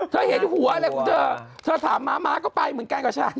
ถ้าเห็นหัวอะไรถ้าถามมาก็ไปเหมือนกันกับฉัน